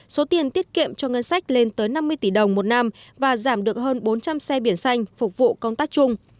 số tiền tiết kiệm cho ngân sách lên tới năm mươi tỷ đồng một năm và giảm được hơn bốn trăm linh xe biển xanh phục vụ công tác chung